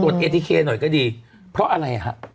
ตรวจเอธิเคย์หน่อยก็ดีเพราะอะไรอ่ะฮะ